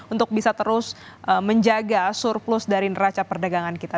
untuk bisa terus menjaga surplus dari neraca perdagangan kita